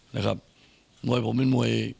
นะครับมวยผมเป็นมวย